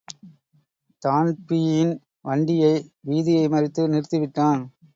தான்பியின் வண்டியை வீதியை மறித்து நிறுத்திவிட்டான்.